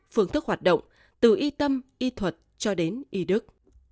phương thức hoạt động từ y tâm y thuật cho đến y đức